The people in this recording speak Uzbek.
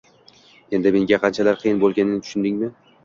Endi menga qanchalar qiyin bo`lganini tushundingmi